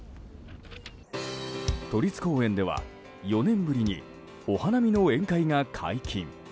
都立公園では４年ぶりにお花見の宴会が解禁。